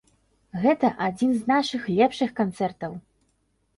Гэта адзін з нашых лепшых канцэртаў.